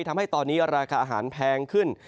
ทำให้ตอนนี้ราคาอาหารแพงขึ้น